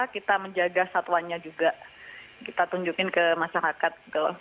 kita menjaga satuannya juga kita tunjukin ke masyarakat